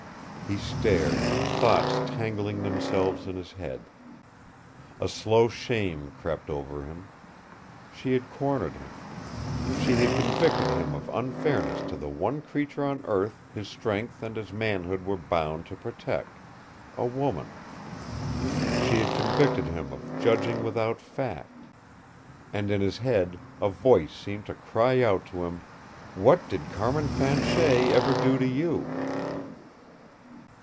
He stared, thoughts tangling themselves in his head. A slow shame crept over him. She had cornered him. She had convicted him of unfairness to the one creature on earth his strength and his manhood were bound to protect a woman. She had convicted him of judging without fact. And in his head a voice seemed to cry out to him, "What did Carmin Fanchet ever do to you?"